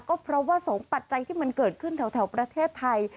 ก็เพราะว่าสองปัจจัยที่มันเกิดขึ้นแถวประเทศไทย